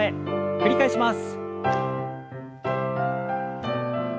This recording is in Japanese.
繰り返します。